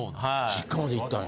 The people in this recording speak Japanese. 実家まで行ったんや。